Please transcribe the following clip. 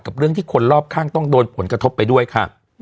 เรื่องที่คนรอบข้างต้องโดนผลกระทบไปด้วยค่ะ